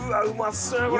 そうやこれ！